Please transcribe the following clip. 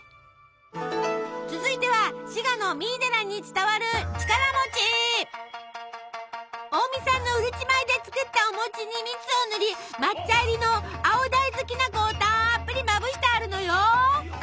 続いては滋賀の三井寺に伝わる近江産のうるち米で作ったお餅に蜜をぬり抹茶入りの青大豆きな粉をたっぷりまぶしてあるのよ。